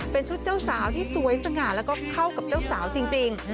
เป็นชุดเจ้าสาวที่สวยสง่าแล้วก็เข้ากับเจ้าสาวจริง